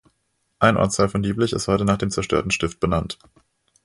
Ein Ortsteil von Dieblich ist heute nach dem zerstörten Stift benannt.